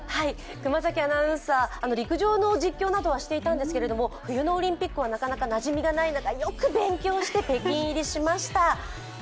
熊崎アナウンサー、陸上の実況などはしていたんですけれども、冬のオリンピックはなかなかなじみがない中よく勉強して北京入りしました。